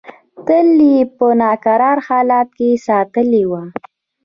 تل یې په ناکراره حالت کې ساتلې وه.